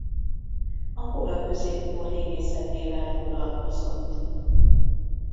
A kora középkor régészetével foglalkozott.